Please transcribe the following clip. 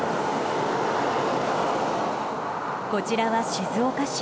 こちらは静岡市。